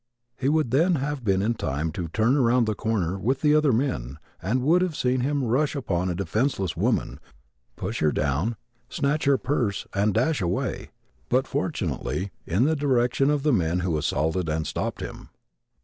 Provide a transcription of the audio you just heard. He would then have been in time to turn around the corner with the other men and would have seen him rush upon a defenseless woman, push her down, snatch her purse and dash away, but, fortunately, in the direction of the men who assaulted and stopped him.